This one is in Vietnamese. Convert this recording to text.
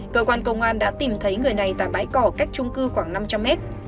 cơ quan công an đã tìm thấy người này tại bãi cỏ cách trung cư khoảng năm trăm linh mét